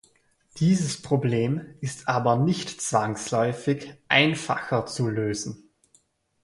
Dieses Problem ist aber nicht zwangsläufig einfacher zu lösen.